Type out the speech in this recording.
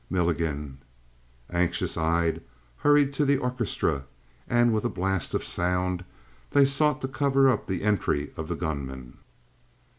Milligan, anxious eyed, hurried to the orchestra, and with a blast of sound they sought to cover up the entry of the gunman.